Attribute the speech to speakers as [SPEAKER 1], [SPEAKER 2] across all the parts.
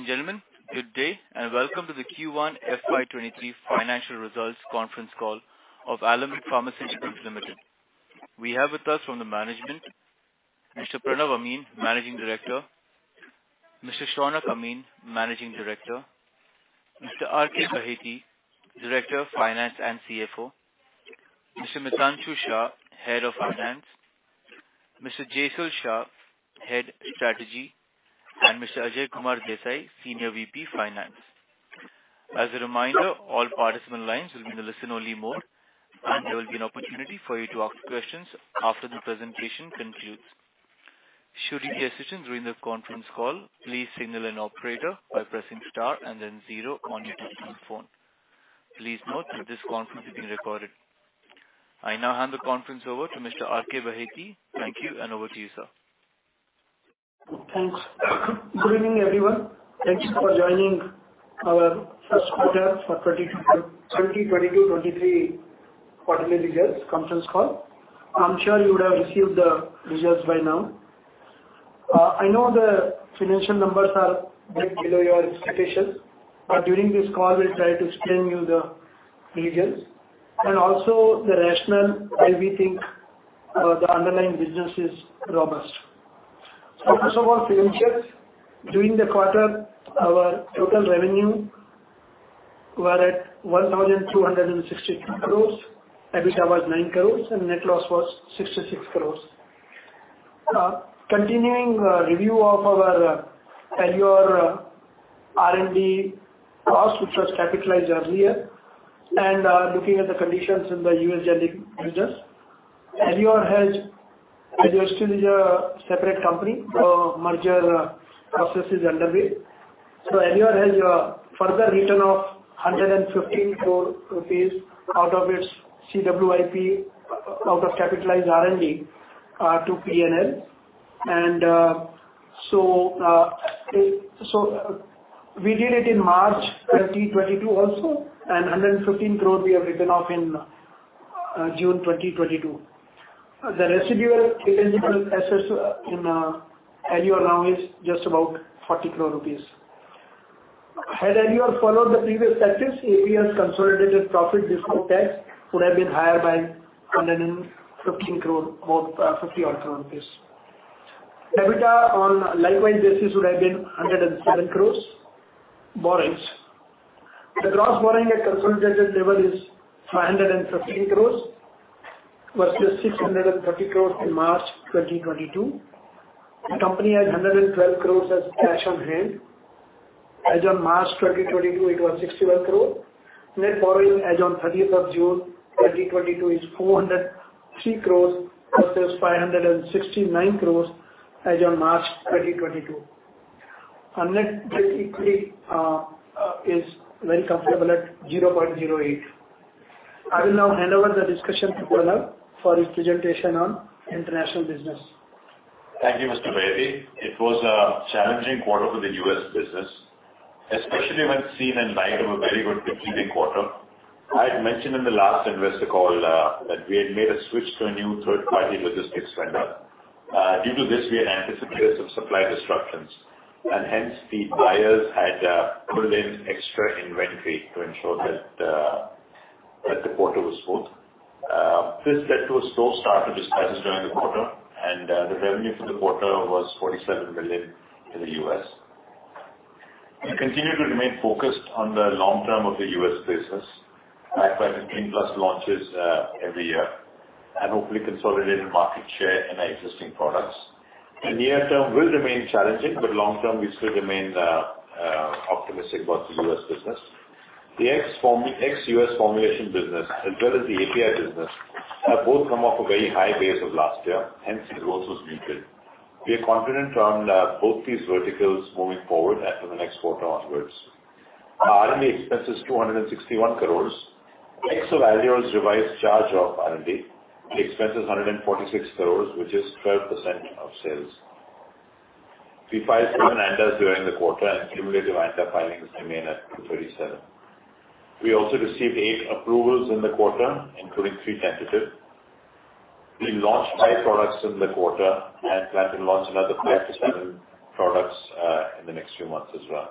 [SPEAKER 1] Ladies, and gentlemen, good day and welcome to the Q1 FY 2023 Financial Results Conference Call of Alembic Pharmaceuticals Limited. We have with us from the management, Mr. Pranav Amin, Managing Director, Mr. Shaunak Amin, Managing Director, Mr. R.K. Baheti, Director of Finance and CFO, Mr. Mitanshu Shah, Head of Finance, Mr. Jesal Shah, Head Strategy, and Mr. Ajay Kumar Desai, Senior VP Finance. As a reminder, all participant lines will be in the listen only mode, and there will be an opportunity for you to ask questions after the presentation concludes. Should you need assistance during the conference call, please signal an operator by pressing star and then zero on your telephone. Please note that this conference is being recorded. I now hand the conference over to Mr. R.K. Baheti. Thank you and over to you, sir.
[SPEAKER 2] Thanks. Good evening, everyone. Thanks for joining our First Quarter for 2022-2023 Quarterly Results Conference Call. I'm sure you would have received the results by now. I know the financial numbers are bit below your expectations, but during this call we'll try to explain you the reasons and also the rationale why we think the underlying business is robust. First of all, financials. During the quarter, our total revenue were at 1,260 crore. EBITDA was 9 crore, and net loss was 66 crore. Continuing review of our annual R&D costs, which was capitalized earlier, and looking at the conditions in the U.S. generic business. Alembic has Aleor still is a separate company. So merger process is underway. Aleor has further written off 115 crore rupees out of its CWIP, out of capitalized R&D, to P&L. We did it in March 2022 also, and 115 crore we have written off in June 2022. The residual intangible assets in Aleor now is just about 40 crore rupees. Had Aleor followed the previous practice, APL's consolidated profit before tax would have been higher by 115 crore, or 50-odd crore rupees. EBITDA on a likewise basis would have been 107 crore. Borrowings. The gross borrowing at consolidated level is 513 crore versus 630 crore in March 2022. The company has 112 crore as cash on hand. As on March 2022 it was 61 crore. Net borrowing as on 30th of June 2022 is 403 crores versus 569 crores as on March 2022. Our net debt equity is very comfortable at 0.08. I will now hand over the discussion to Pranav for his presentation on international business.
[SPEAKER 3] Thank you, Mr. R.K. Baheti. It was a challenging quarter for the U.S. business, especially when seen in light of a very good preceding quarter. I had mentioned in the last investor call that we had made a switch to a new third-party logistics vendor. Due to this, we had anticipated some supply disruptions and hence the buyers had pulled in extra inventory to ensure that the quarter was smooth. This led to a slow start to discharges during the quarter and the revenue for the quarter was $47 million in the U.S. We continue to remain focused on the long term of the U.S. business backed by the 10+ launches every year, and hopefully consolidate the market share in our existing products. The near term will remain challenging, but long term we still remain optimistic about the U.S. business. The ex-U.S. formulation business as well as the APL business both come off a very high base of last year, hence the growth was muted. We are confident on both these verticals moving forward and for the next quarter onwards. Our R&D expense is 261 crores. Excluding Aleor's revised charge of R&D, the expense is 146 crores, which is 12% of sales. We filed seven ANDAs during the quarter, and cumulative ANDA filings remain at 237. We also received eight approvals in the quarter, including three tentative. We launched 5 products in the quarter and plan to launch another five to seven products in the next few months as well.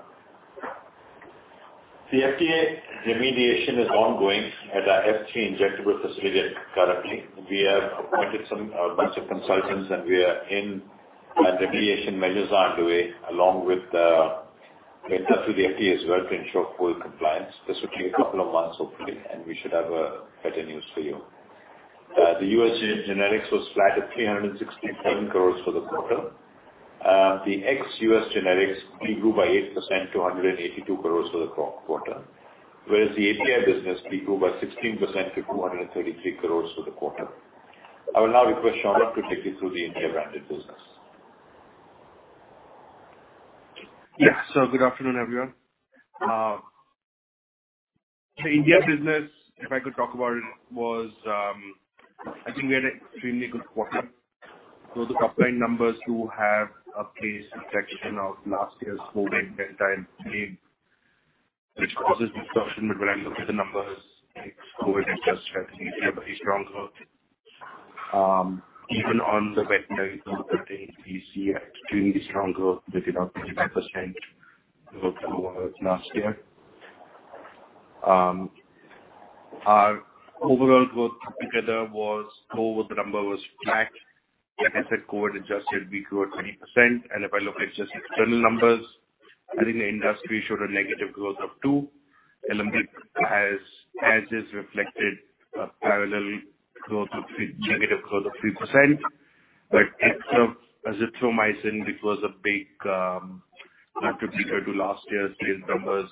[SPEAKER 3] The FDA remediation is ongoing at our F3 injectable facility at Karakhadi. We have appointed a bunch of consultants and remediation measures are underway along with the FDA as well to ensure full compliance. This will take a couple of months hopefully, and we should have better news for you. The U.S. generics was flat at 367 crores for the quarter. The ex-U.S. generics we grew by 8% to 182 crores for the quarter. Whereas the APL business, we grew by 16% to 433 crores for the quarter. I will now request Shaunak to take you through the India branded business.
[SPEAKER 4] Yes. Yes. Good afternoon, everyone. The India business, if I could talk about it, was, I think we had an extremely good quarter. The top line numbers do have a base effect of last year's COVID benefit gain. Which causes discussion, but when I look at the numbers, like COVID has just made everybody stronger. Even on the wet material, 13% extremely strong growth with about 35% growth over last year. Our overall growth put together was COVID number was flat. Like I said, COVID adjusted, we grew at 20%. If I look at just external numbers, I think the industry showed a negative growth of 2%. Alembic has, as is reflected, a parallel growth of negative growth of 3%. Except azithromycin, which was a big contributor to last year's sales numbers,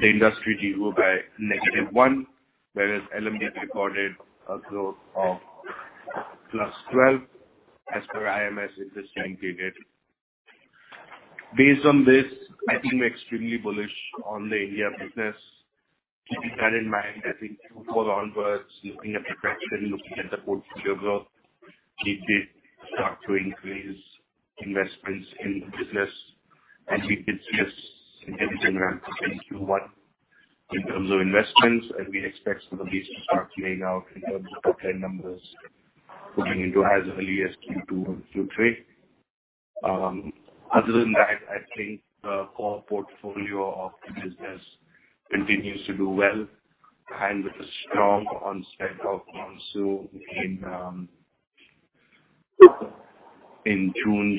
[SPEAKER 4] the industry grew by negative 1%, whereas Alembic recorded a growth of +12% as per IMS in this time period. Based on this, I think we're extremely bullish on the India business. Keeping that in mind, I think to go onwards, looking at the question, looking at the portfolio growth, we did start to increase investments in the business, and we did see a significant ramp in Q1 in terms of investments. We expect some of these to start playing out in terms of top-line numbers looking into as early as Q2 and Q3. Other than that, I think the core portfolio of the business continues to do well and with a strong onset of monsoon in June,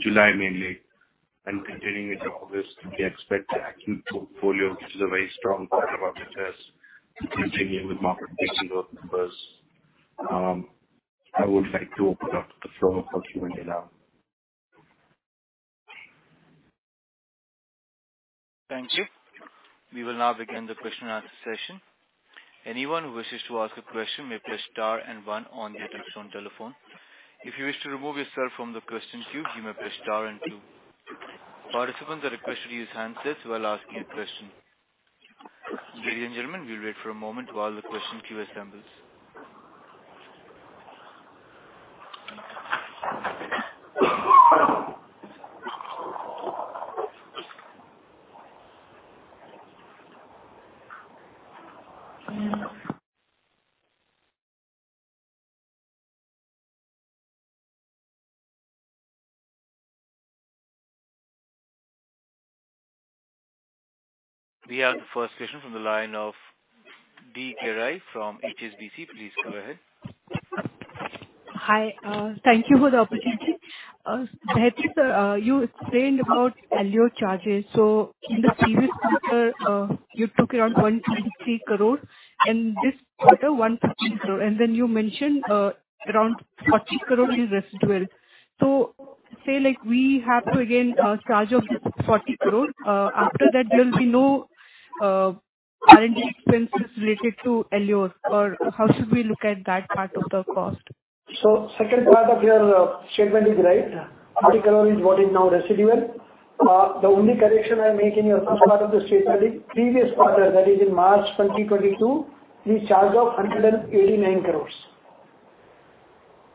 [SPEAKER 4] July mainly, and continuing into August, we expect the acute portfolio, which is a very strong part of our business, to continue with market-leading growth numbers. I would like to open up the floor for Q&A now.
[SPEAKER 1] Thank you. We will now begin the question-and-answer session. Anyone who wishes to ask a question may press star and one on their touchtone telephone. If you wish to remove yourself from the question queue, you may press star and two. Participants are requested to use handsets while asking a question. Ladies, and gentlemen, we'll wait for a moment while the question queue assembles. We have the first question from the line of Damayanti Kerai from HSBC. Please go ahead.
[SPEAKER 5] Hi, thank you for the opportunity. R.K. Baheti, you explained about Aleor charges. In the previous quarter, you took around 123 crore and this quarter 115 crore. You mentioned around 40 crore is residual. Say like we have to again charge off this 40 crore, after that there will be no R&D expenses related to Aleor or how should we look at that part of the cost?
[SPEAKER 2] Second part of your statement is right. INR 40 crore is what is now residual. The only correction I make in your first part of the statement, previous quarter, that is in March 2022, we charged off INR 189 crores.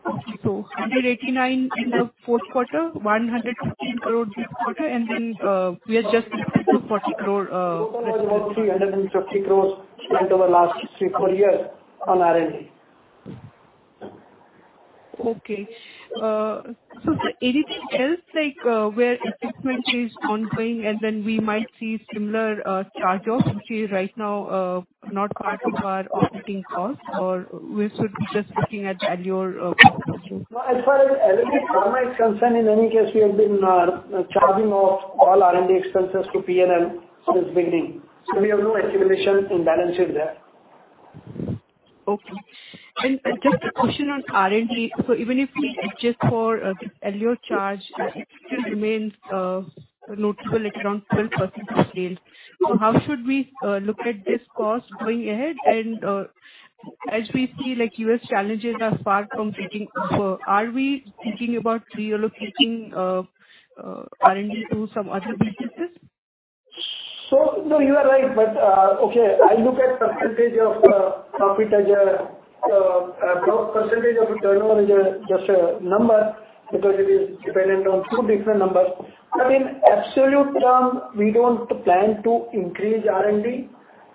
[SPEAKER 5] Okay. INR 189 in the fourth quarter, INR 115 crore this quarter, and then we are just left with INR 40 crore residual.
[SPEAKER 2] Total of about INR 350 crore spent over last three to four years on R&D.
[SPEAKER 5] Anything else like where investment is ongoing and then we might see similar charge-offs, which is right now not part of our operating cost or we should be just looking at Aleor cost only?
[SPEAKER 2] No, as far as R&D program is concerned, in any case, we have been charging off all R&D expenses to P&L since beginning. We have no accumulation in balance sheet there.
[SPEAKER 5] Okay. Just a question on R&D. Even if we adjust for the Aleor charge, it still remains notable at around 12% of sales. How should we look at this cost going ahead? As we see, like U.S. challenges are far from fading. Are we thinking about reallocating R&D to some other businesses?
[SPEAKER 2] No, you are right. Okay, I look at percentage of profit as a profit percentage of a turnover is just a number because it is dependent on two different numbers. I mean, absolute term, we don't plan to increase R&D.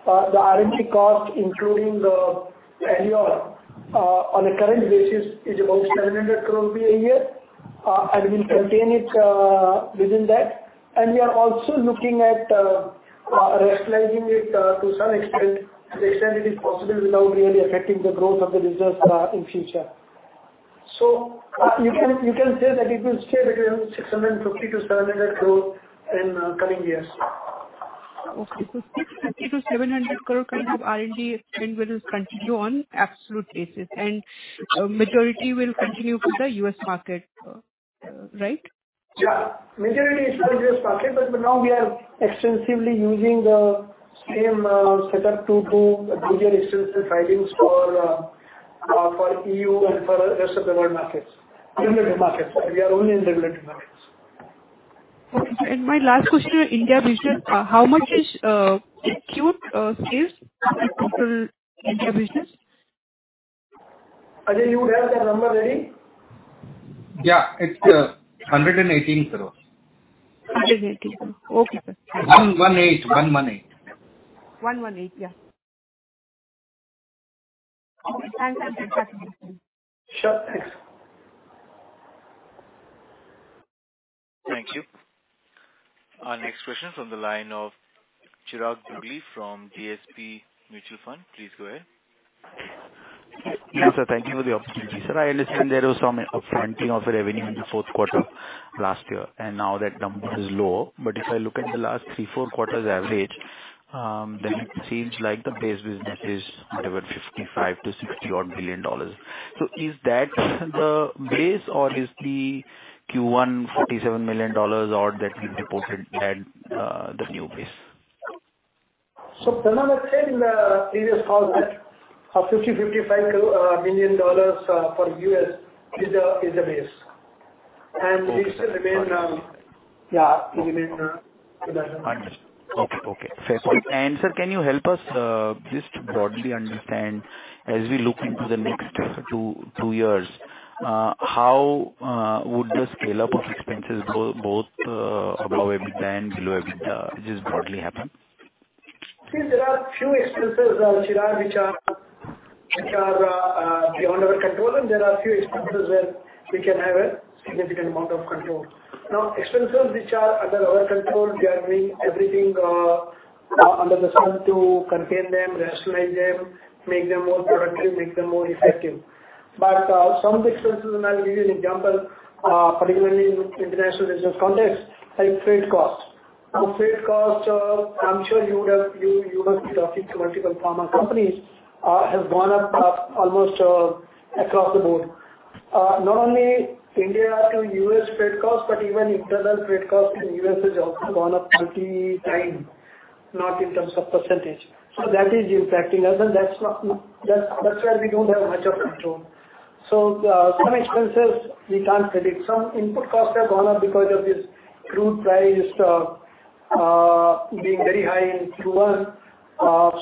[SPEAKER 2] The R&D cost, including the Aleor, on a current basis is about 700 crore per year. We'll maintain it within that. We are also looking at rationalizing it to some extent it is possible without really affecting the growth of the business in future. You can say that it will stay between 650 crore-700 crore in coming years.
[SPEAKER 5] 650 crore-700 crore kind of R&D spend will continue on absolute basis, and majority will continue to the U.S. market, right?
[SPEAKER 2] Yeah. Majority is to the U.S. market, but now we are extensively using the same setup to do regional extensive filings for EU and for rest of the world markets, regulated markets. We are only in regulated markets.
[SPEAKER 5] Okay. My last question on India business. How much is acute sales as a total India business?
[SPEAKER 2] Ajay, you have that number ready?
[SPEAKER 6] Yeah, it's 118 crore.
[SPEAKER 5] 118 crore. Okay, sir.
[SPEAKER 6] 118. One one eight.
[SPEAKER 5] 118. Yeah. Thanks, R.K Baheti.
[SPEAKER 2] Sure. Thanks.
[SPEAKER 1] Thank you. Our next question from the line of Chirag Dagli from DSP Mutual Fund. Please go ahead.
[SPEAKER 7] Yeah, sir. Thank you for the opportunity. Sir, I understand there was some upfronting of the revenue in the fourth quarter last year, and now that number is low. If I look at the last three, four quarters average, then it seems like the base business is whatever $55 billion-$60-odd billion. Is that the base or is the Q1 $47 million odd that we reported at the new base?
[SPEAKER 2] Pranav said in the previous call that $55 billion for U.S. is the base. This will remain.
[SPEAKER 7] I understand. Okay, okay. Fair point. Sir, can you help us just broadly understand as we look into the next two years how would the scale-up of expenses go both above EBITDA and below EBITDA just broadly happen?
[SPEAKER 2] See, there are few expenses, Chirag, which are beyond our control, and there are few expenses where we can have a significant amount of control. Now, expenses which are under our control, we are doing everything under the sun to contain them, rationalize them, make them more productive, make them more effective. Some of the expenses, and I'll give you an example, particularly in international business context, like freight costs. Now, freight costs, I'm sure you would have, you must be talking to multiple pharma companies, have gone up, almost, across the board. Not only India to U.S. freight costs, but even internal freight costs in U.S. has also gone up multiple times, not in terms of percentage. That is impacting us, and that's where we don't have much of control. Some expenses we can't predict. Some input costs have gone up because of this crude price being very high in Q1.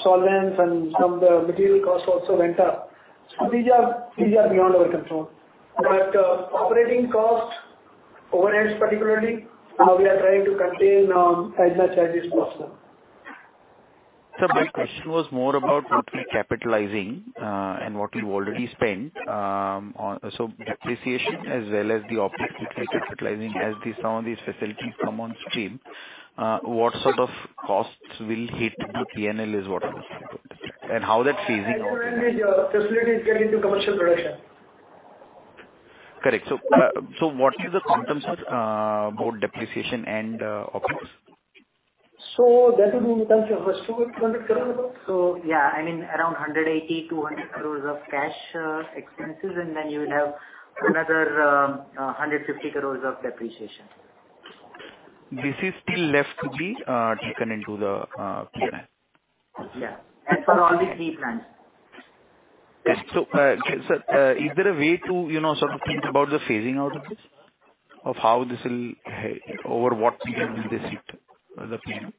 [SPEAKER 2] Solvents and some of the material costs also went up. These are beyond our control. Operating costs, overheads particularly, we are trying to contain as much as is possible.
[SPEAKER 7] Sir, my question was more about what we're capitalizing, and what you already spent on depreciation as well as the OpEx which we're capitalizing as these, some of these facilities come on stream, what sort of costs will hit the P&L is what I was trying to. How that's phasing out.
[SPEAKER 2] When these facilities get into commercial production.
[SPEAKER 7] Correct. What is the consensus about depreciation and OpEx?
[SPEAKER 2] That will be in the range of 100 crore-200 crore approx.
[SPEAKER 6] Yeah, I mean around 180 crore-200 crore of cash expenses, and then you will have another 150 crore of depreciation.
[SPEAKER 7] This is still left to be taken into the P&L?
[SPEAKER 6] Yeah. As for all the three plants.
[SPEAKER 7] Sir, is there a way to, you know, sort of think about the phasing out of this? Over what period will this hit the P&L?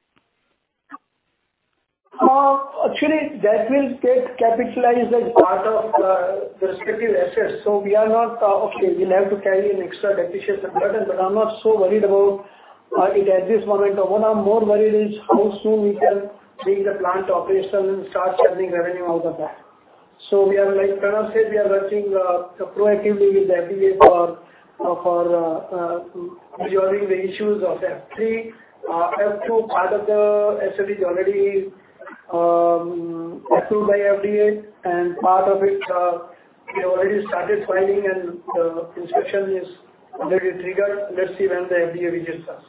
[SPEAKER 2] Actually that will get capitalized as part of the respective assets. Okay, we'll have to carry an extra depreciation burden, but I'm not so worried about it at this moment. What I'm more worried is how soon we can bring the plant to operation and start generating revenue out of that. We are, like Pranav said, working proactively with FDA for resolving the issues of F3. F2, part of the asset is already approved by FDA, and part of it, we already started filing and inspection is already triggered. Let's see when the FDA visits us.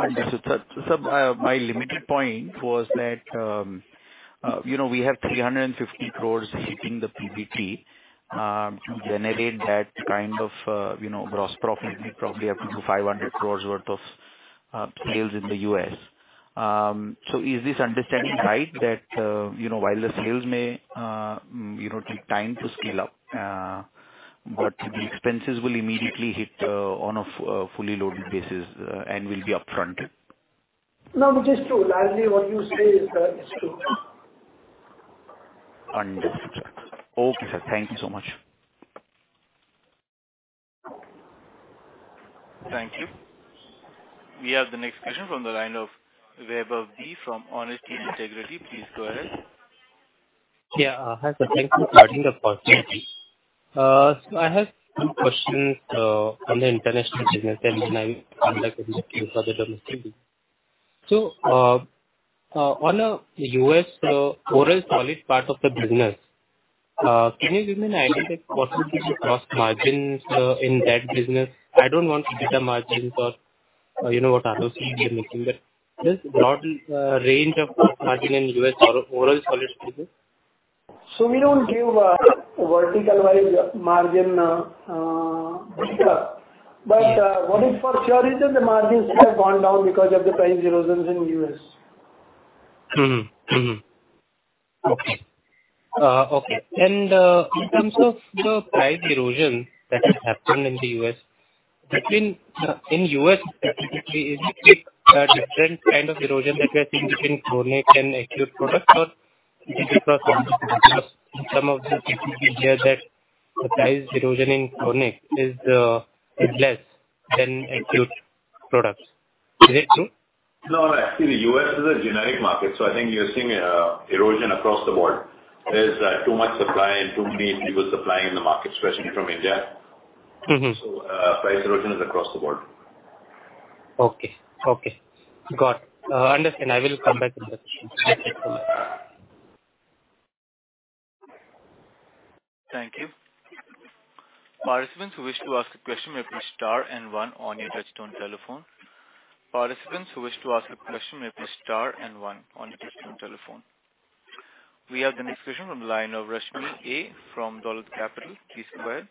[SPEAKER 7] Understood. My limited point was that, you know, we have 350 crores hitting the PBT. To generate that kind of, you know, gross profit, we probably have to do 500 crores worth of sales in the U.S. Is this understanding right that, you know, while the sales may, you know, take time to scale up, but the expenses will immediately hit, on a fully loaded basis, and will be upfronted?
[SPEAKER 2] No, which is true. Largely what you say is true.
[SPEAKER 7] Understood. Okay, sir. Thank you so much.
[SPEAKER 1] Thank you. We have the next question from the line of Vaibhav Badjatya from Honesty and Integrity. Please go ahead.
[SPEAKER 8] Yeah. Hi, sir. Thanks for starting the call today. I have two questions on the international business, and then I would like to ask you for the domestic business. On a U.S. oral solid part of the business, can you give me an idea of the possible gross margins in that business? I don't want to see the margins or, you know, what announcements you're making, but just broadly, range of gross margin in U.S. oral solid business.
[SPEAKER 2] We don't give vertical wise margin break up.
[SPEAKER 8] Yeah.
[SPEAKER 2] What is for sure is that the margins have gone down because of the price erosions in the U.S.
[SPEAKER 8] In terms of the price erosion that has happened in the U.S., between, in U.S. specifically, is it a different kind of erosion that we are seeing between chronic and acute products or some of the people we hear that the price erosion in chronic is less than acute products? Is it true?
[SPEAKER 3] No. Actually, U.S. is a generic market, so I think you're seeing erosion across the board. There's too much supply and too many people supplying in the market, especially from India.
[SPEAKER 8] Mm-hmm.
[SPEAKER 3] Price erosion is across the board.
[SPEAKER 8] Okay. Got it. Understand. I will come back
[SPEAKER 1] Thank you. Participants who wish to ask a question may press star and one on your touchtone telephone. We have the next question from the line of Rashmi Agarwal from Dolat Capital. Please go ahead.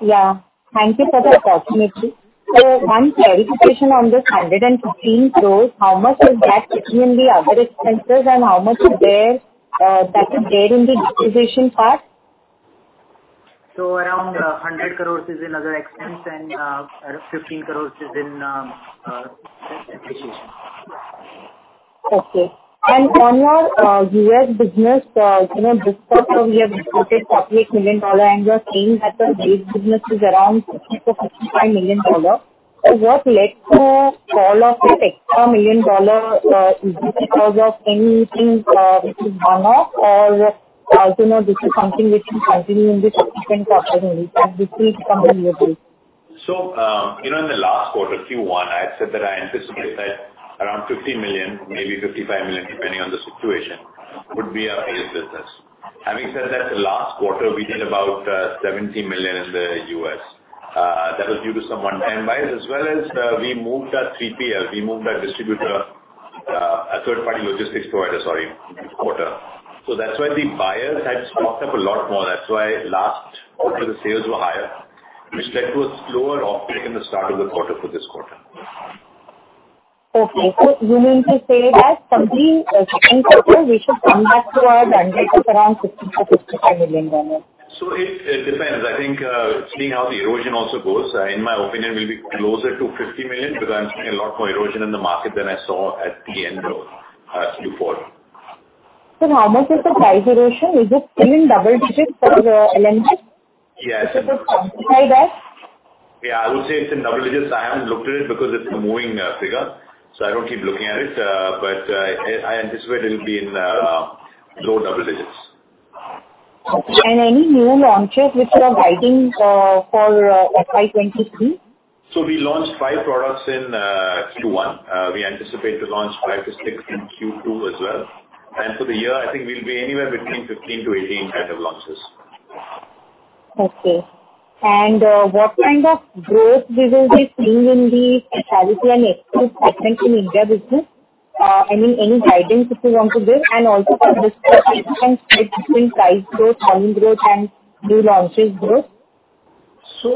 [SPEAKER 9] Yeah. Thank you for the opportunity. One clarification on this 115 crores. How much is that sitting in the other expenses and how much is there, that is there in the depreciation part?
[SPEAKER 2] Around 100 crores is in other expense and 15 crores is in depreciation.
[SPEAKER 9] Okay. On your U.S. business, you know, this quarter we have reported $48 million and you are saying that the base business is around $50 million-$55 million. What led to fall of this extra $1 million? Is it because of anything, which is one-off or, you know, this is something which will continue in the subsequent quarters and this will become the new base?
[SPEAKER 3] in the last quarter, Q1, I had said that I anticipate that around $50 million, maybe $55 million, depending on the situation, would be our base business. Having said that, the last quarter we did about $70 million in the U.S. That was due to some one-time buyers as well as we moved our 3PL, our distributor, a third party logistics provider, sorry, this quarter. That's why the buyers had stocked up a lot more. That's why last quarter the sales were higher, which led to a slower off-take in the start of the quarter for this quarter.
[SPEAKER 9] Okay. You mean to say that from the second quarter we should come back to our bandwidth of around $50 million-$55 million?
[SPEAKER 3] It depends. I think, seeing how the erosion also goes, in my opinion we'll be closer to $50 million because I'm seeing a lot more erosion in the market than I saw at the end of Q4.
[SPEAKER 9] How much is the price erosion? Is it still in double digits for the LMG?
[SPEAKER 3] Yeah.
[SPEAKER 9] Could you just quantify that?
[SPEAKER 3] Yeah. I would say it's in double digits. I haven't looked at it because it's a moving figure, so I don't keep looking at it. But I anticipate it'll be in low double digits.
[SPEAKER 9] Okay. Any new launches which you are guiding for FY 2023?
[SPEAKER 3] We launched five products in Q1. We anticipate to launch five to six in Q2 as well. For the year I think we'll be anywhere between 15-18 kind of launches.
[SPEAKER 9] Okay. What kind of growth we will be seeing in the specialty and exclude segment in India business? Any guidance if you want to give? Also for this between price growth, volume growth and new launches growth.
[SPEAKER 2] We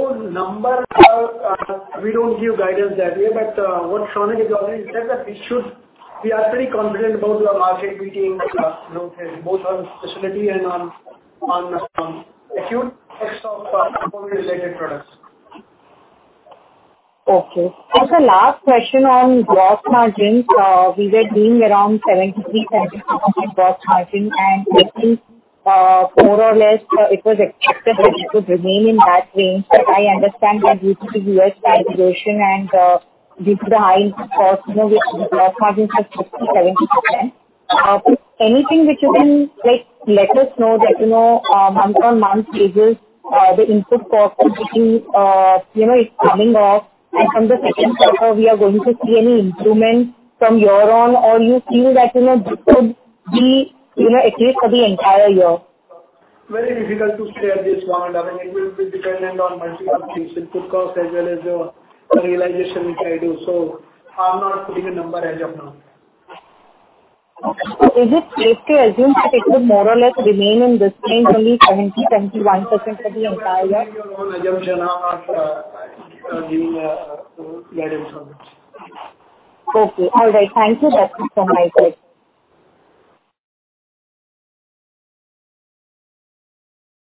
[SPEAKER 2] don't give guidance that way, but what Shaunak has already said that we should. We are pretty confident about the market beating, you know, both on specialty and on acute, except for COVID-related products.
[SPEAKER 9] Okay. The last question on gross margins. We were doing around 73%-74% gross margin. Lately, more or less, it was expected that it would remain in that range. I understand that due to the U.S. price erosion and due to the high costs, you know, which gross margins are 60%-70%. Anything which you can, like, let us know that, you know, month-on-month basis, the input costs are getting, you know, it's coming off and from the second quarter we are going to see any improvement from your end? Or you feel that, you know, this could be, you know, at least for the entire year?
[SPEAKER 2] Very difficult to say at this moment. I mean, it will be dependent on multiple things, input costs as well as, the realization which I do. So I'm not putting a number as of now.
[SPEAKER 9] Okay. Is it safe to assume that it would more or less remain in this range, only 70%-71% for the entire year?
[SPEAKER 2] I'm making your own assumption. I'm not giving guidance on this.
[SPEAKER 9] Okay. All right. Thank you. That's it from my side.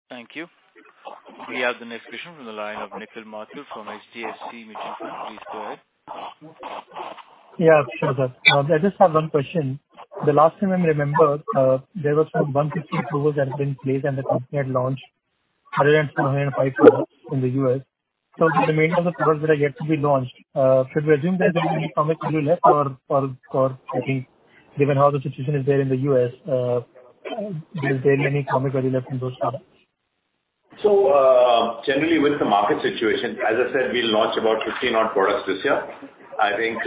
[SPEAKER 1] Thank you. We have the next question from the line of Nikhil Mathew from HDFC Mutual Fund. Please go ahead.
[SPEAKER 10] Yeah, sure, sir. I just have one question. The last time I remember, there were some 150 approvals that had been placed and the company had launched 102, 105 products in the U.S. The remaining of the products that are yet to be launched, should we assume there's any commercial left or I think given how the situation is there in the U.S,. Is there any commercial left in those products?
[SPEAKER 3] Generally with the market situation, as I said, we'll launch about 15 odd products this year. I think,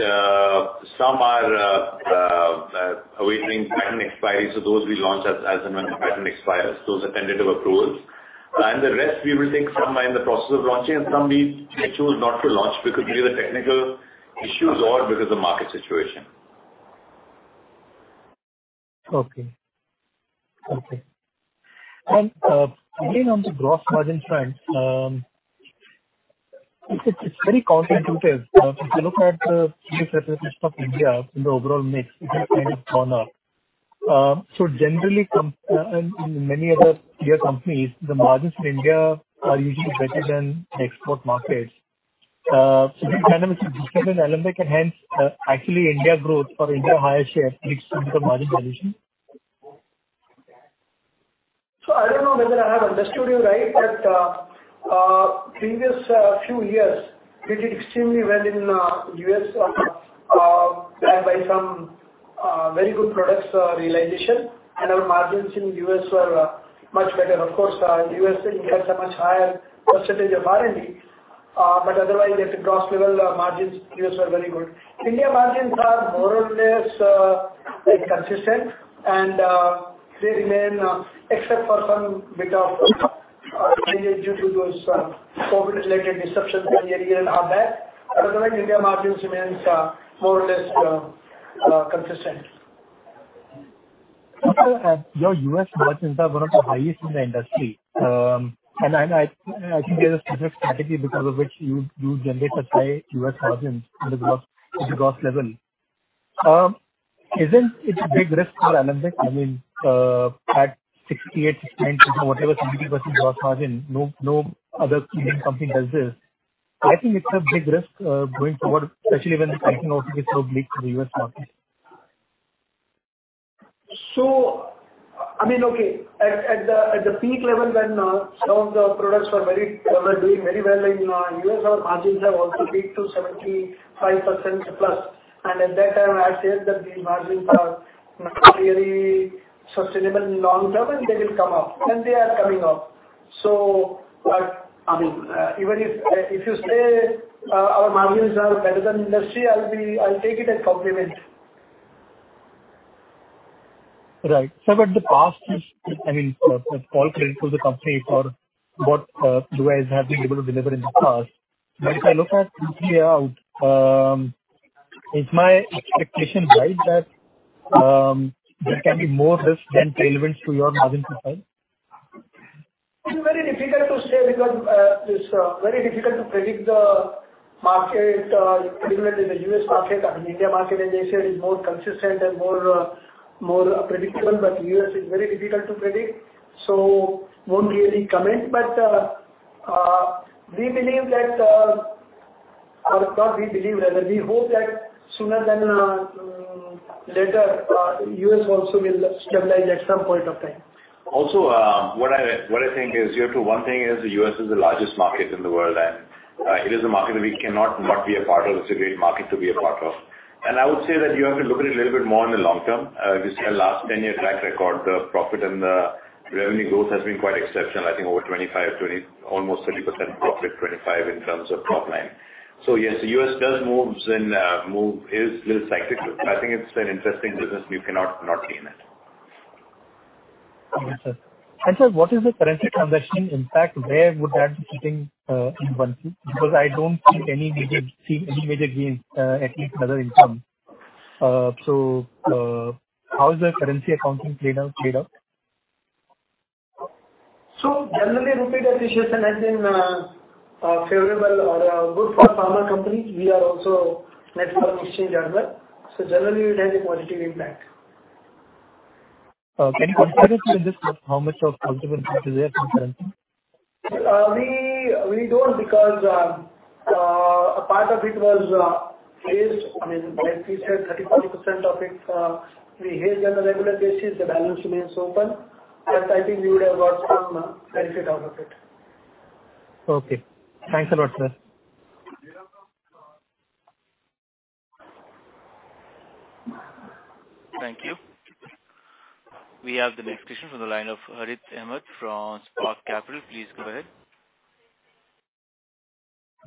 [SPEAKER 3] some are awaiting patent expiry, so those we'll launch as and when the patent expires. Those are tentative approvals. The rest we will take, some are in the process of launching and some we chose not to launch because either technical issues or because of market situation.
[SPEAKER 10] Again, on the gross margin front, it's very counterintuitive. If you look at the geographic mix of India in the overall mix, it has kind of gone up. Generally in many other peer companies, the margins in India are usually better than export markets. Can you kind of explain LMC and hence actually India growth or India higher share leads to the margin dilution?
[SPEAKER 2] I don't know whether I have understood you right, but previous few years we did extremely well in U.S., backed by some very good products, realization. Our margins in U.S. Were much better. Of course, U.S. and India have a much higher percentage of R&D. Otherwise at the gross level, our margins, U.S. are very good. India margins are more or less like consistent and they remain except for some bit of maybe due to those COVID related disruptions in the year and are back. Otherwise, India margins remains more or less consistent.
[SPEAKER 10] Okay. Your U.S. margins are one of the highest in the industry. I think there's a specific category because of which you generate such high U.S. margins at the gross level. Isn't it a big risk for Alembic? I mean, at 68%, 69%, you know, whatever 70% gross margin, no other leading company does this. I think it's a big risk going forward, especially when the economy is so bleak in the U.S. market.
[SPEAKER 2] I mean, at the peak level when some of the products were doing very well in U.S., our margins have also peaked to 75%+. At that time I had said that the margins are not really sustainable long term and they will come up, and they are coming up. I mean, even if you say our margins are better than industry, I'll take it as compliment.
[SPEAKER 10] Right. The past is, I mean, all credit to the company for what you guys have been able to deliver in the past. If I look at simply, is my expectation right that there can be more risk than tailwinds to your margin profile?
[SPEAKER 2] It's very difficult to say because it's very difficult to predict the market, particularly the U.S. market. I mean, India market, as I said, is more consistent and more predictable, but U.S. is very difficult to predict, so won't really comment. We hope that sooner than later, U.S. also will stabilize at some point of time.
[SPEAKER 3] Also, what I think is you have to. One thing is the U.S. is the largest market in the world, and it is a market that we cannot not be a part of. It's a great market to be a part of. I would say that you have to look at it a little bit more in the long term. If you see our last 10-year track record, the profit and the revenue growth has been quite exceptional. I think over 25%, almost 30% profit, 25% in terms of top line. Yes, the U.S. does move, and the move is a little cyclical. I think it's an interesting business. You cannot not be in it.
[SPEAKER 10] Okay, sir. Sir, what is the currency transaction impact? Where would that be sitting in OCI? Because I don't see any major gains at least in other income. How is the currency accounting played out?
[SPEAKER 2] Generally rupee depreciation has been favorable or good for pharma companies. We are also net foreign exchange earner. Generally it has a positive impact.
[SPEAKER 10] Can you quantify this, like how much of contribution is there from currency?
[SPEAKER 2] We don't because a part of it was hedged. I mean, like we said, 34% of it, we hedge on a regular basis. The balance remains open. I think we would have got some benefit out of it.
[SPEAKER 10] Okay. Thanks a lot, sir.
[SPEAKER 3] You're welcome.
[SPEAKER 1] Thank you. We have the next question from the line of Harith Ahamed from Spark Capital. Please go ahead.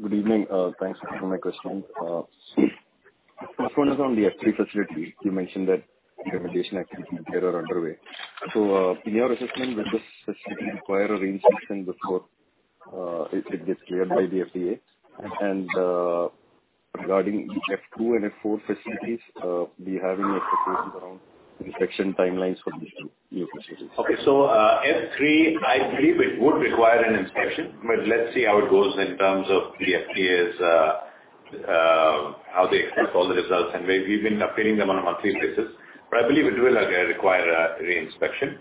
[SPEAKER 11] Good evening. Thanks for taking my question. First one is on the F3 facility. You mentioned that validation activities are underway. In your assessment, will this facility require a re-inspection before it gets cleared by the FDA? Regarding F2 and F4 facilities, do you have any expectations around inspection timelines for these new facilities?
[SPEAKER 3] F3, I believe it would require an inspection, but let's see how it goes in terms of the FDA's how they assess all the results and we've been updating them on a monthly basis. I believe it will require a re-inspection.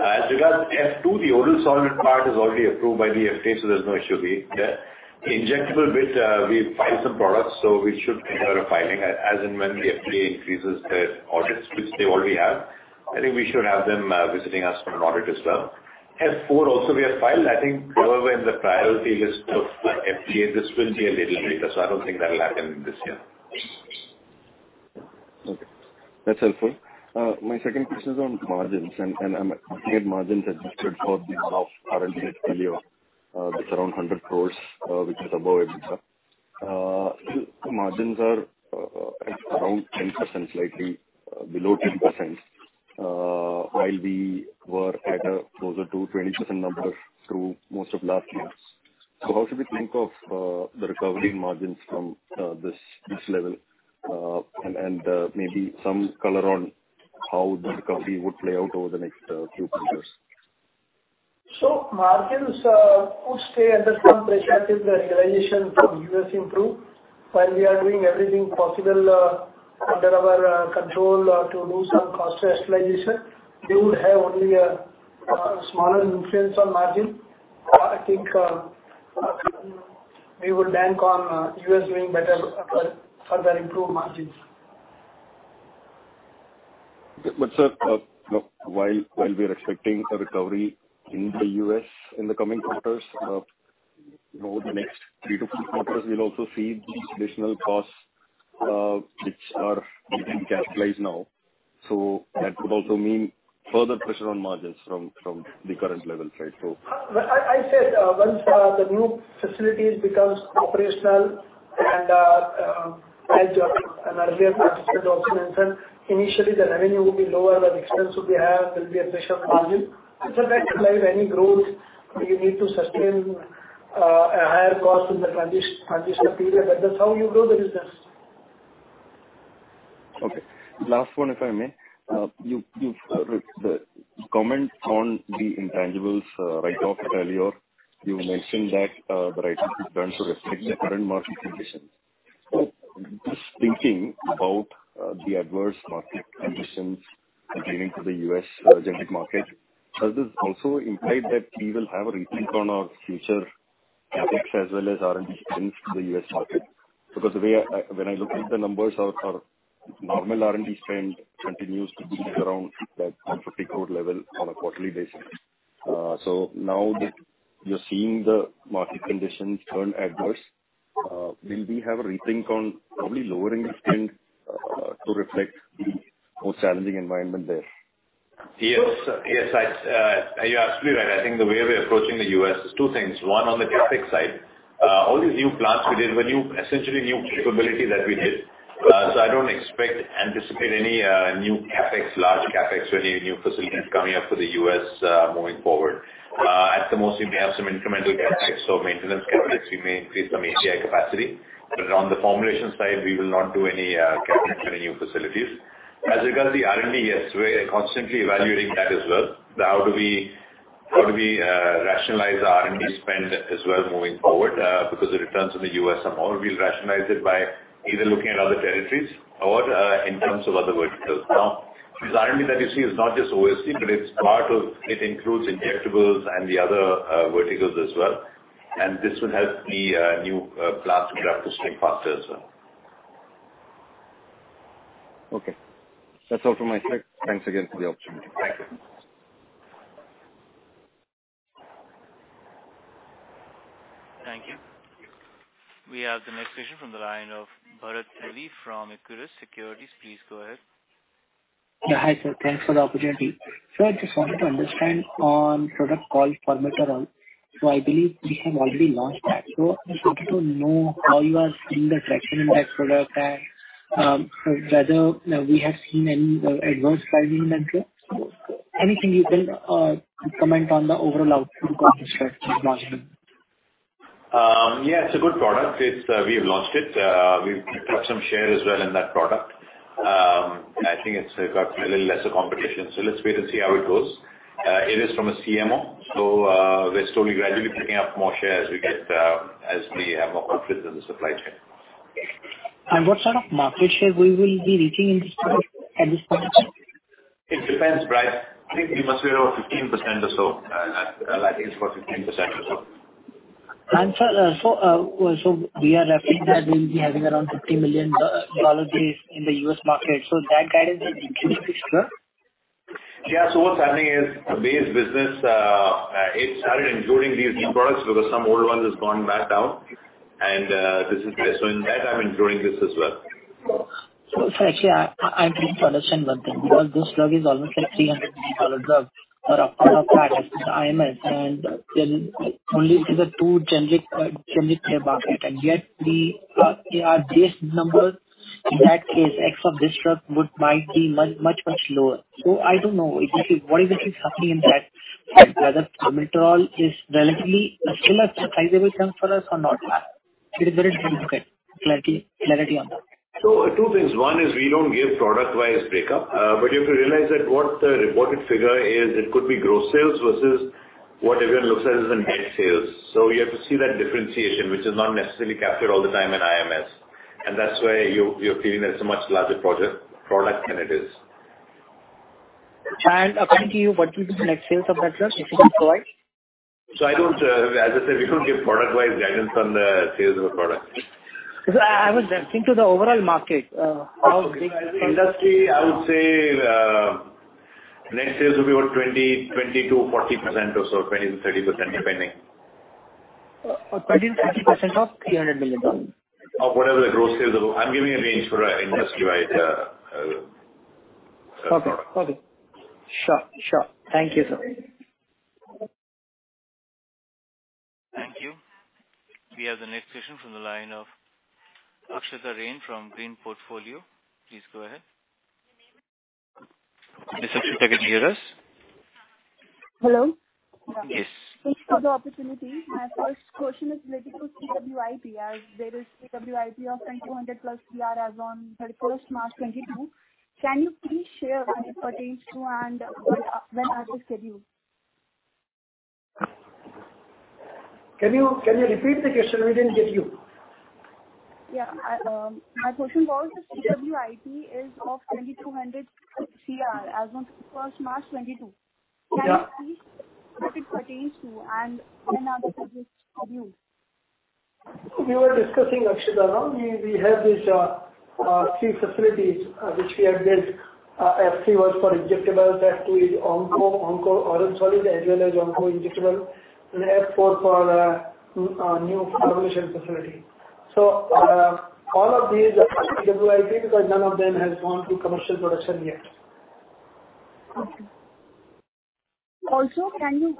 [SPEAKER 3] As regards F2, the oral solid part is already approved by the FDA, so there's no issue there. The injectable bit, we file some products, so we should consider a filing as and when the FDA increases their audits, which they already have. I think we should have them visiting us for an audit as well. F4 also we have filed. I think wherever in the priority list of FDA, this will be a little later, so I don't think that'll happen this year.
[SPEAKER 11] Okay. That's helpful. My second question is on margins. I'm looking at margins adjusted for the one-off R&D failure, that's around 100 crore, which is above EBITDA. Margins are at around 10%, slightly below 10%, while we were at a closer to 20% number through most of last year. How should we think of the recovery in margins from this level? And maybe some color on how the recovery would play out over the next few quarters.
[SPEAKER 2] Margins could stay under some pressure if the realization from U.S. improve. While we are doing everything possible under our control to do some cost rationalization, they will have only a smaller influence on margin. I think we will bank on U.S. doing better for the improved margins.
[SPEAKER 11] Sir, while we are expecting a recovery in the U.S. in the coming quarters, over the next three to six quarters, we'll also see these additional costs, which are getting capitalized now. So that could also mean further pressure on margins from the current level, right?
[SPEAKER 2] I said, once the new facilities becomes operational and, as an earlier participant also mentioned, initially the revenue will be lower and expense will be higher, there'll be a pressure on margin. It's like any growth, you need to sustain a higher cost in the transition period. That is how you grow the business.
[SPEAKER 11] Okay. Last one, if I may. You've commented on the intangibles write-off earlier. You mentioned that the write-off returns to reflect the current market conditions. Just thinking about the adverse market conditions pertaining to the U.S. generic market, does this also imply that we will have a rethink on our future CapEx as well as R&D spends to the U.S. market? Because the way I when I look at the numbers, our normal R&D spend continues to be around that 150 crore level on a quarterly basis. Now that you're seeing the market conditions turn adverse, will we have a rethink on probably lowering the spend to reflect the more challenging environment there?
[SPEAKER 3] Yes, you're absolutely right. I think the way we're approaching the U.S. is two things. One, on the CapEx side, all these new plants we did were new, essentially new capability that we did. So I don't expect, anticipate any new CapEx, large CapEx, really new facilities coming up for the U.S., moving forward. At the most, we may have some incremental CapEx or maintenance CapEx. We may increase some APL capacity. On the formulation side, we will not do any CapEx for the new facilities. As regards the R&D, yes, we're constantly evaluating that as well. How do we rationalize the R&D spend as well moving forward? Because the returns in the U.S. are more, we'll rationalize it by either looking at other territories or in terms of other verticals. Now, this R&D that you see is not just OSD, but it's part of it includes injectables and the other verticals as well. This will help the new plants ramp up upstream faster as well.
[SPEAKER 11] Okay. That's all from my side. Thanks again for the opportunity.
[SPEAKER 3] Thank you.
[SPEAKER 1] Thank you. We have the next question from the line of Bharat Celly from Equirus Securities. Please go ahead.
[SPEAKER 12] Yeah, hi, sir. Thanks for the opportunity. Sir, I just wanted to understand on product called formoterol. I believe you have already launched that. I just wanted to know how you are seeing the traction in that product and whether we have seen any adverse finding in that drug. Anything you can comment on the overall outcome of this drug since launching?
[SPEAKER 3] Yeah, it's a good product. It's we have launched it. We've got some share as well in that product. I think it's got a little lesser competition, so let's wait and see how it goes. It is from a CMO, so we're slowly, gradually picking up more share as we get as we have more footprint in the supply chain.
[SPEAKER 12] What sort of market share we will be reaching in this product at this point?
[SPEAKER 3] It depends, right. I think we must be around 15% or so. I think it's 14%-15% or so.
[SPEAKER 12] Sir, we are referring that we'll be having around $50 million in the U.S. market. That guidance will increase this year?
[SPEAKER 3] Yeah. What's happening is base business, it started including these new products because some old one has gone back down and, this is there. In that, I'm including this as well.
[SPEAKER 12] Actually, I'm trying to understand one thing, because this drug is almost like $300 million drug for IMS. Then only these are two generic therapy, and yet the IR base number in that case ex of this drug might be much lower. I don't know if this is what exactly is happening in that and whether formoterol is relatively still a sizable chunk for us or not. It is very difficult to get clarity on that.
[SPEAKER 3] Two things. One is we don't give product wise breakup. You have to realize that what the reported figure is, it could be gross sales versus what everyone looks at as net sales. You have to see that differentiation, which is not necessarily captured all the time in IMS. That's why you're feeling that it's a much larger project, product than it is.
[SPEAKER 12] According to you, what will be the net sales of that drug, if you can provide?
[SPEAKER 3] I don't, as I said, we don't give product wise guidance on the sales of a product.
[SPEAKER 12] I was referring to the overall market.
[SPEAKER 3] Okay. As an industry, I would say, net sales will be about 20%-40% or so, 20%-30% depending.
[SPEAKER 12] 20%-30% of $300 million.
[SPEAKER 3] Of whatever the gross sales are. I'm giving a range for an industry-wide product.
[SPEAKER 12] Okay. Sure. Thank you, sir.
[SPEAKER 1] Thank you. We have the next question from the line of Akshata Rane from Green Portfolio. Please go ahead. Ms. Akshata, can you hear us?
[SPEAKER 13] Hello? Yes. Thanks for the opportunity. My first question is related to CWIP. As there is CWIP of 200+ crore as on 31st of March 2022. Can you please share that potential and when are they scheduled?
[SPEAKER 2] Can you repeat the question? We didn't get you.
[SPEAKER 13] Yeah. My question was the CWIP is of 2,200 crore as of March 1, 2022.
[SPEAKER 2] Yeah.
[SPEAKER 13] Can you please explain what it pertains to and any other projects from you?
[SPEAKER 2] We were discussing, Akshata. We have these three facilities which we have built. F3 was for injectables. F2 is oncology oral solid as well as oncology injectable, and F4 for new formulation facility. All of these are CWIP because none of them has gone to commercial production yet.
[SPEAKER 13] Okay. Also, can you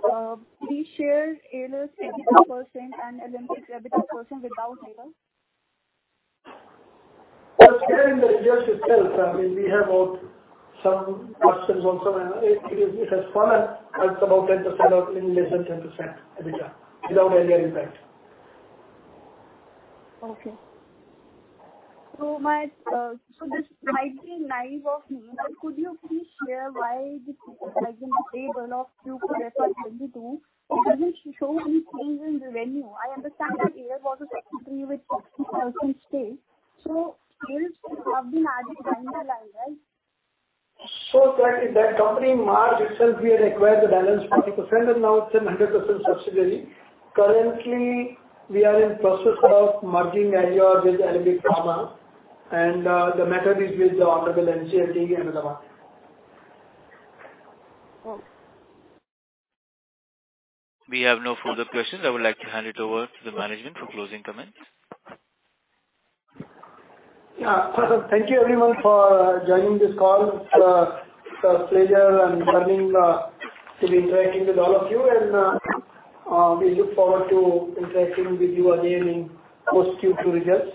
[SPEAKER 13] please share Aleor EBITDA % and Alembic's EBITDA % without Aleor?
[SPEAKER 2] Well, it's there in the results itself. I mean, we have doubts on some. It has fallen at about 10% or even less than 10% EBITDA without Aleor impact.
[SPEAKER 13] This might be naive of me, but could you please share why the acquisition payable of INR 2 crore as on 2022 doesn't show any change in the revenue? I understand that Aleor was a company with 60,000 stake. Sales should have been added to bottom line, right?
[SPEAKER 2] That company merged itself. We had acquired the balance 40% and now it's a 100% subsidiary. Currently, we are in process of merging Aleor with Alembic Pharma and the matter is with the honorable NCLT and other ones.
[SPEAKER 13] Okay.
[SPEAKER 1] We have no further questions. I would like to hand it over to the management for closing comments.
[SPEAKER 2] Yeah. Thank you everyone for joining this call. It's a pleasure and learning to be interacting with all of you and we look forward to interacting with you again in post Q2 results.